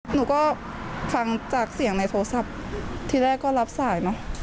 หนูก็ฟังจากเสียงในโทรศัพท์ที่แรกก็รับสายไหม